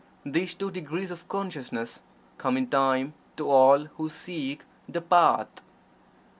These two degrees of consciousness come in time to all who seek "The Path."